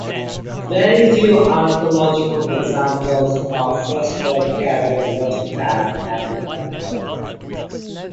Very few archaeological examples of prehistoric Caribbean watercraft have been uncovered.